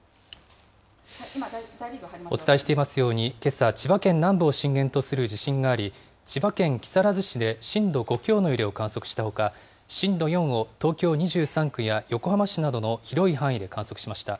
お伝えしていますように、けさ、千葉県南部を震源とする地震があり、千葉県木更津市で震度５強の揺れを観測したほか、震度４を東京２３区や横浜市などの広い範囲で観測しました。